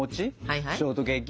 ショートケーキ？